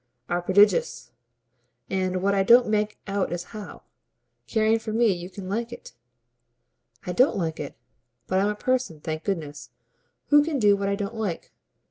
"are prodigious. And what I don't make out is how, caring for me, you can like it." "I don't like it, but I'm a person, thank goodness, who can do what I don't like."